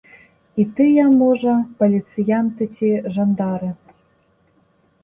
І тыя, можа, паліцыянты ці жандары.